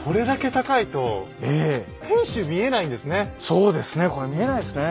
そうですねこれ見えないですね。